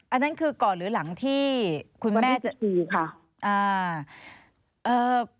อันนั้นคือก่อนหรือหลังที่คุณแม่จะอูค่ะ